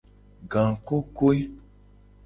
Gangkokoe.